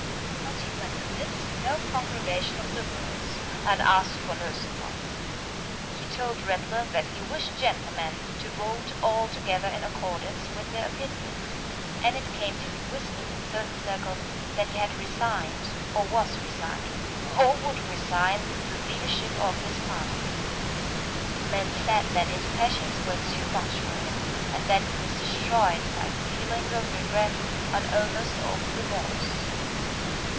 But he went amidst no congregation of Liberals, and asked for no support. He told Ratler that he wished gentlemen to vote altogether in accordance with their opinions; and it came to be whispered in certain circles that he had resigned, or was resigning, or would resign, the leadership of his party. Men said that his passions were too much for him, and that he was destroyed by feelings of regret, and almost of remorse.